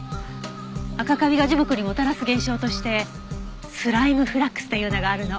アカカビが樹木にもたらす現象としてスライム・フラックスというのがあるの。